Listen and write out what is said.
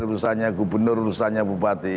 urusannya gubernur urusannya bupati